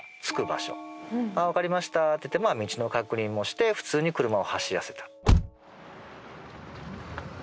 分かりましたって言って道の確認もして普通に車を走らせた。